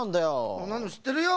そんなのしってるよ。